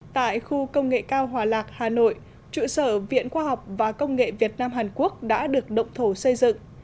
tại khu công nghệ cao hòa lạc hà nội trụ sở viện khoa học và công nghệ việt nam hàn quốc đã được động thổ xây dựng